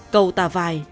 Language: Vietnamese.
cầu tà vài